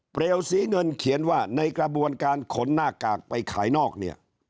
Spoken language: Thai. เปลวสีเงินเขียนว่าในกระบวนการขนหน้ากากไปขายนอกเนี่ย